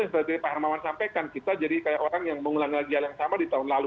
seperti pak hermawan sampaikan kita jadi kayak orang yang mengulangi lagi hal yang sama di tahun lalu